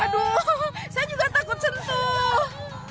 aduh saya juga takut sentuh